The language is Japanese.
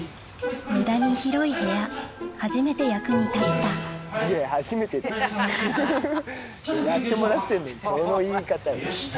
無駄に広い部屋初めて役に立ったはい３周した。